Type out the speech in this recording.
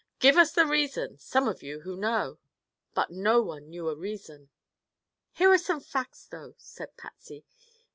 Give us the reason, some of you who know." But no one knew a reason. "Here are some facts, though," said Patsy.